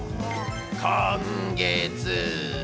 今月。